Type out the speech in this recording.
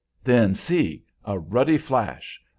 Then see! a ruddy flash!